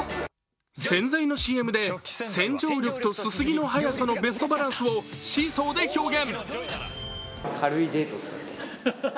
洗剤のＣＭで洗浄力とすすぎの速さのベストバランスをシーソーで表現。